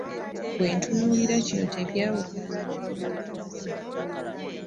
Bw'otunuulira kino tekyawukana na mirembe gye tukubye amabega.